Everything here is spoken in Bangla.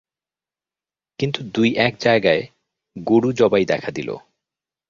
কিন্তু দুই-এক জায়গায় গোরু-জবাই দেখা দিল।